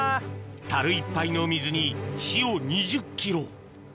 たるいっぱいの水に塩２０ｋｇあれ？